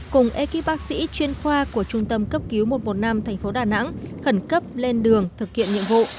cùng ekip bác sĩ chuyên khoa của trung tâm cấp cứu một trăm một mươi năm tp đà nẵng khẩn cấp lên đường thực hiện nhiệm vụ